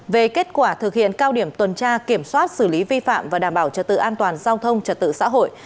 về kết quả thực hiện cao điểm tuần tra kiểm soát xử lý vi phạm và đảm bảo trật tự an toàn giao thông trật tự xã hội